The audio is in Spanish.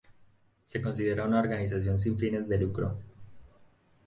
Se considera una organización sin fines de lucro.